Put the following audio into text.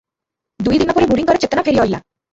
ଦୁଇ ଦିନପରେ ବୁଢ଼ୀଙ୍କର ଚେତନା ଫେରି ଅଇଲା ।